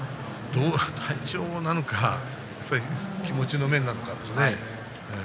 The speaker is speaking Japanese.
体調なのか気持ちの面なのかですね。